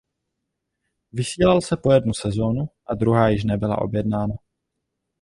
Vysílal se po jednu sezónu a druhá již nebyla objednána.